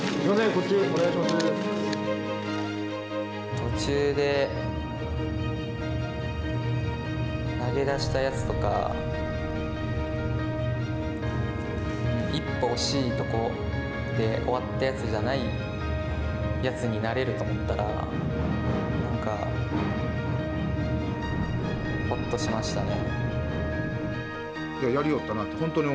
途中で投げ出したやつとか１歩惜しいとこで終わったやつじゃないやつになれると思ったらほっとしましたね。